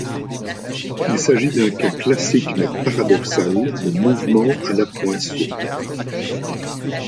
Il s'agit d'un cas classique mais paradoxal de mouvement à la Poinsot.